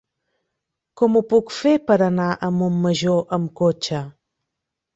Com ho puc fer per anar a Montmajor amb cotxe?